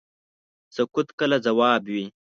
سکوت کله ځواب وي.